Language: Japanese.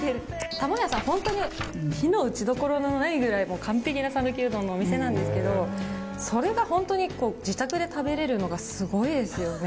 たも屋さんほんとに非の打ちどころのないぐらい完璧な讃岐うどんのお店なんですけどそれが自宅で食べられるのがすごいですよね。